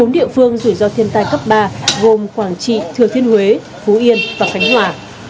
bốn địa phương rủi ro thiên tai cấp ba gồm quảng trị thừa thiên huế phú yên và khánh hòa